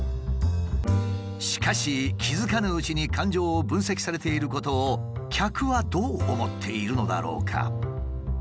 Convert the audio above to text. しかし気付かぬうちに感情を分析されていることを客はどう思っているのだろうか？